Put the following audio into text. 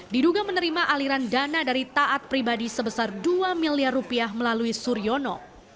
diduga menerima aliran dana dari taat pribadi sebesar dua miliar rupiah melalui suryono